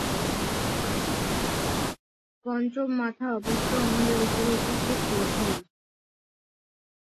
পঞ্চম মাথা অবশ্য অন্যদের উপরে উপস্থিত হয়েছিল।